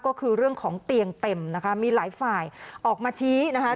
ก็คือเรื่องของเตียงเต็มนะคะมีหลายฝ่ายออกมาชี้นะคะ